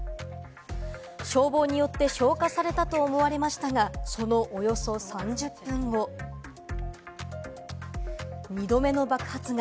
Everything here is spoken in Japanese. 消防によって消火されたと思われましたが、そのおよそ３０分後、２度目の爆発が。